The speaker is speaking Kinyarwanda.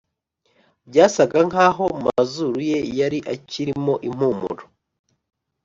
byasaga nkaho mu mazuru ye yari akiri mo impumuro